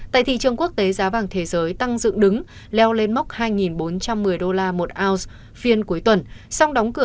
tại thị trường quốc tế giá vàng thế giới tăng dựng đứng leo lên mốc hai bốn trăm một mươi đô la một ounce